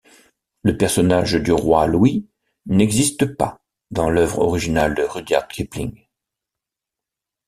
Le personnage du Roi Louie n'existe pas dans l'œuvre originale de Rudyard Kipling.